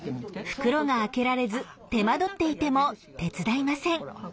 袋が開けられず手間取っていても手伝いません。